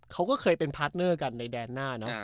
เขาก็เคยเป็นพาร์ทเนอร์กันในแดนหน้าเนอะ